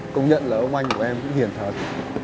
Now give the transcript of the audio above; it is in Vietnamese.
công nhận là ông anh của em cũng hiền thắng